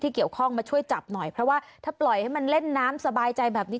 เกี่ยวข้องมาช่วยจับหน่อยเพราะว่าถ้าปล่อยให้มันเล่นน้ำสบายใจแบบนี้